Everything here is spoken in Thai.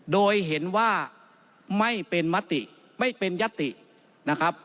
โดยเห็นว่าไม่เป็นมติไม่เป็นยัตตินะครับ